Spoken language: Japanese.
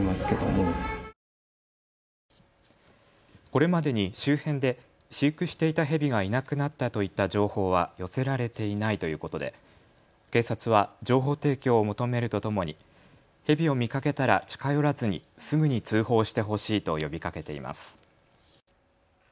これまでに周辺で飼育していたヘビがいなくなったといった情報は寄せられていないということで警察は情報提供を求めるとともにヘビを見かけたら近寄らずにすぐに通報してほしいと呼びかけています。